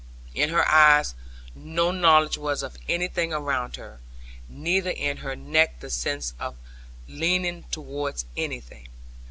In her eyes no knowledge was of anything around her, neither in her neck the sense of leaning towards anything.